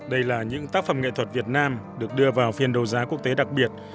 đây là những tác phẩm nghệ thuật việt nam được đưa vào phiên đấu giá quốc tế đặc biệt